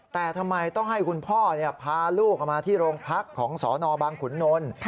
แต่ทำไมต้องให้คุณพ่อพาลูกมาที่โรงพักของสนบางขุนนล